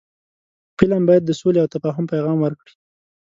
فلم باید د سولې او تفاهم پیغام ورکړي